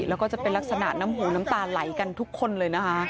แล้วก็จะเป็นลักษณะน้ำหูน้ำตาไหลกันทุกคนเลยนะคะ